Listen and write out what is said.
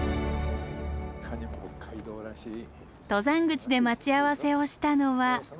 登山口で待ち合わせをしたのは。